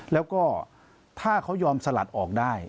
แล้วก็ถ้าเขายอมสลัดออกได้